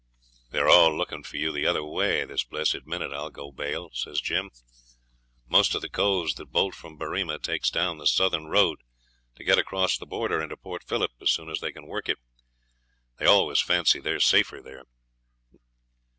'They're all looking for you the other way this blessed minute, I'll go bail,' says Jim. 'Most of the coves that bolt from Berrima takes down the southern road to get across the border into Port Philip as soon as they can work it. They always fancy they are safer there.'